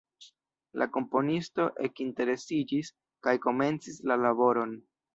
La komponisto ekinteresiĝis kaj komencis la laboron.